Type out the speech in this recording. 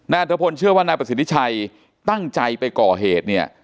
อัตภพลเชื่อว่านายประสิทธิชัยตั้งใจไปก่อเหตุเนี่ย